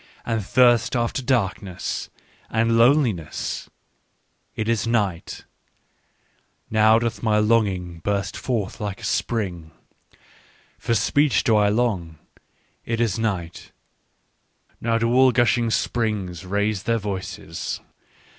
And thirst after darkness! And loneliness !" It is night : now doth my longing burst forth like a spring, — for speech do I long. " It is night : now do all gushing springs raise their voices.